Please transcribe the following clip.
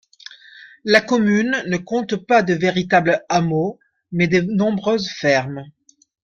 La commune ne compte pas de véritables hameaux, mais de nombreuses fermes.